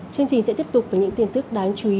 chương trình sẽ tiếp tục với những tin tức đáng chú ý